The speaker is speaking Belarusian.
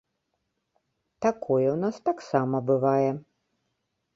Такое ў нас таксама бывае.